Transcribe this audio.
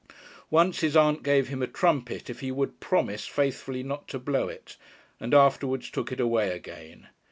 Once his aunt gave him a trumpet if he would promise faithfully not to blow it, and afterwards took it away again.